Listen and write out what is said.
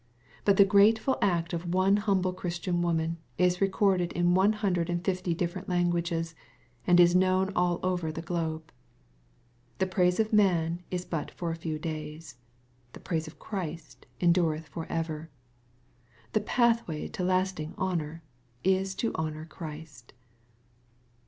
("But the grateful act of one humble Christian woman is recorded in one hundred and fifty different languages, and is known all over the globe. ^ The praise of man is but for a few days. The praise of Christ endureth for ever. ,The pathway to lasting honor, is to honor Christ.